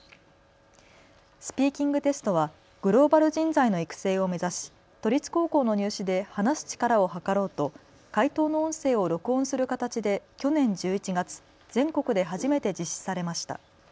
スピーキングテストはグローバル人材の育成を目指し都立高校の入試で話す力をはかろうと解答の音声を録音する形で去年１１月、全国で初めて実施されました。